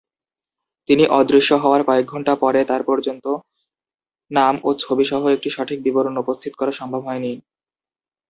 তিনি অদৃশ্য হওয়ার কয়েক ঘন্টা পরে তার পর্যন্ত নাম ও ছবি সহ একটি সঠিক বিবরণ উপস্থিত করা সম্ভব হয়নি।